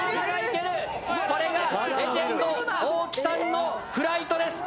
これがレジェンド大木さんのフライトです。